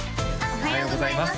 おはようございます